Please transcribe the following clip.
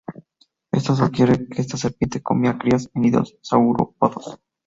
Esto sugiere que esta serpiente comía crías en nidos de saurópodos.